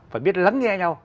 phải biết lắng nghe nhau